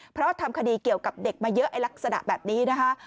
เพราะทำคดีเกี่ยวกับเด็กมาเยอะไอ้ลักษณะแบบนี้นะคะ